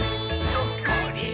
ほっこり。